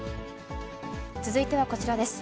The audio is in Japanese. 続いてはこちらです。